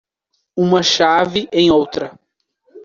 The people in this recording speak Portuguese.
Uma chave em outra.